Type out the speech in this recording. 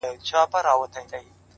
تا راته نه ويل د کار راته خبري کوه ،